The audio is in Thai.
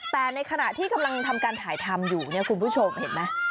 แต่ในขณะที่กำลังทำการถ่ายทำอยู่เนี่ยคุณผู้ชมเห็นไหม